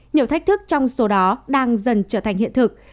nhiều thách thức trong số đó đang dần trở thành hiện thực